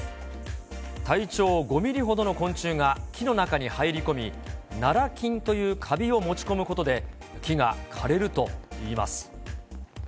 体長５ミリほどの昆虫が木の中に入り込み、ナラ菌というカビを持ち込むことで、木が枯れるといいます。